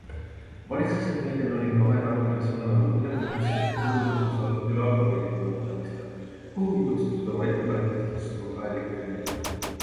Valitsuse meedianõuniku Ave Tampere sõnul on hinnamuutused võrgutasus arutelu all kabinetinõupidamisel, kuhu on kutsutud oma ettepanekuid tutvustama ka Elektrilevi.